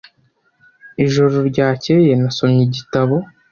Ijoro ryakeye, nasomye igitabo .